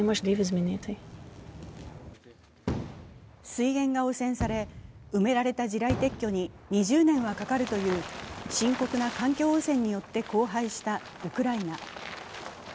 水源が汚染され、埋められた地雷撤去に２０年はかかるという深刻な環境汚染によって荒廃したウクライナ。